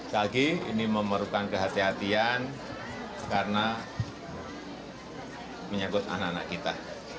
lagi ini memerlukan kehatian karena menyangkut anak anak kita